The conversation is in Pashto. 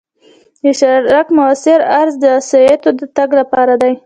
د سړک موثر عرض د وسایطو د تګ لپاره دی